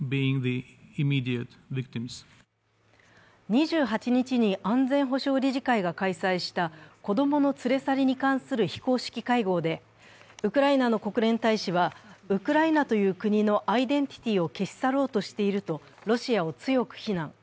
２８日に安全保障理事会が開催した子供の連れ去りに関する非公式会合でウクライナの国連大使はウクライナという国のアイデンティティを消し去ろうとしているとロシアを強く非難。